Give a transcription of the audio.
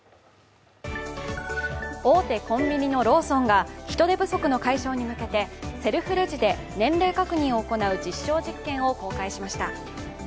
大手コンビニのローソンが人手不足の解消に向けてセルフレジで年齢確認を行う実証実権を公開しました。